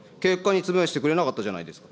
説明にくれなかったじゃないですか。